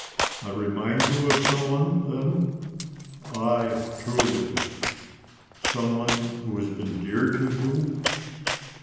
"I remind you of some one, then?" "Ay truly." "Some one who has been dear to you?"